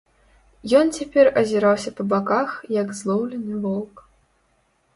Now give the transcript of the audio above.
Ён цяпер азіраўся па баках, як злоўлены воўк.